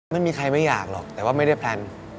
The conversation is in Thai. ไม่มีใครไม่อยากหรอกแต่ว่าไม่ได้แพลน